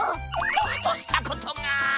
ボクとしたことが。